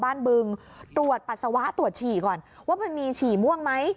บึงตรวจปัสสาวะตรวจฉี่ก่อนว่ามันมีฉี่ม่วงไหม